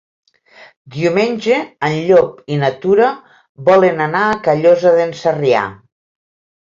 Diumenge en Llop i na Tura volen anar a Callosa d'en Sarrià.